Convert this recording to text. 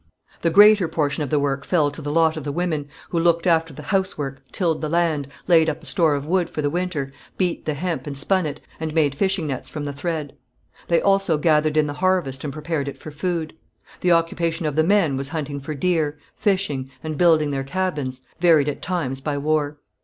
The greater portion of the work fell to the lot of the women, who looked after the housework, tilled the land, laid up a store of wood for the winter, beat the hemp and spun it, and made fishing nets from the thread. They also gathered in the harvest and prepared it for food. The occupation of the men was hunting for deer, fishing, and building their cabins, varied at times by war.